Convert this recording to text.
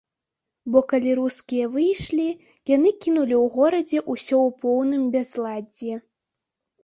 Бо калі рускія выйшлі, яны кінулі ў горадзе ўсё ў поўным бязладдзі.